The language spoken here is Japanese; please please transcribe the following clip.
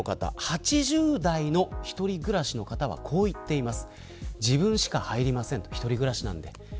８０代の一人暮らしの方はこう言っています。